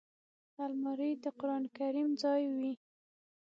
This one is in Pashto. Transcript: الماري د قران کریم ځای وي